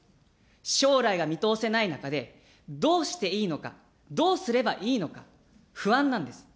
将来が見通せない中で、どうしていいのか、どうすればいいのか、不安なんです。